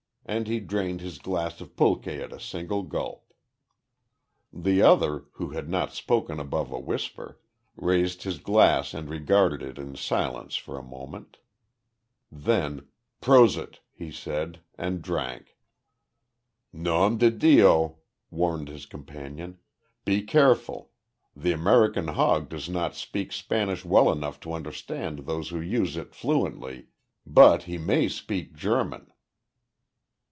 and he drained his glass of pulque at a single gulp. The other, who had not spoken above a whisper, raised his glass and regarded it in silence for a moment. Then "Prosit," he said, and drank. "Nom di Dio," warned his companion. "Be careful! The American hog does not speak Spanish well enough to understand those who use it fluently, but he may speak German."